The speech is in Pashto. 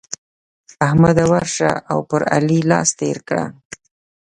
احمده! ورشه او پر علي لاس تېر کړه.